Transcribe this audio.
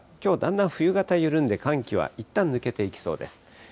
上空、寒気も入っていますが、きょうだんだん冬型緩んで、寒気はいったん抜けていきそうです。